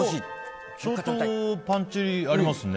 相当パンチありますね。